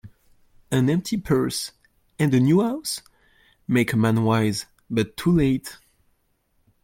An empty purse, and a new house, make a man wise, but too late.